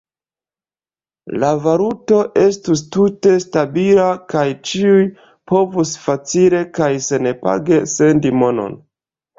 La valuto estus tute stabila kaj ĉiuj povus facile kaj senpage sendi monon.